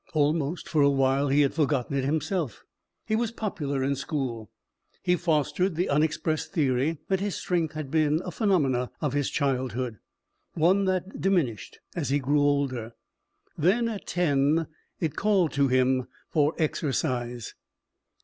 Almost, for a while, he had forgotten it himself. He was popular in school. He fostered the unexpressed theory that his strength had been a phenomenon of his childhood one that diminished as he grew older. Then, at ten, it called to him for exercise.